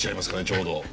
ちょうど。